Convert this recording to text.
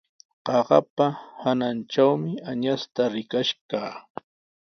Qaqapa hanantrawmi añasta rikash kaa.